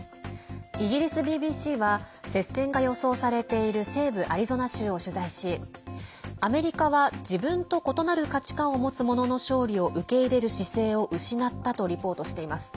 イギリスＢＢＣは接戦が予想されている西部アリゾナ州を取材しアメリカは自分と異なる価値観を持つ者の勝利を受け入れる姿勢を失ったとリポートしています。